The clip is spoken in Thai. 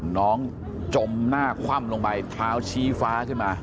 จมหน้าคว่ำลงไปเท้าชี้ฟ้าขึ้นมา